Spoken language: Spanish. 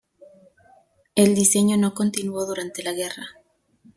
El diseño no continuó durante la guerra.